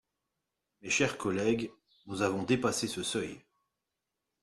Mes chers collègues, nous avons dépassé ce seuil.